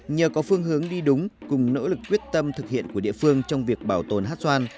nhờ có phương hướng đi đúng cùng nỗ lực quyết tâm thực hiện của địa phương trong việc bảo tồn hát xoan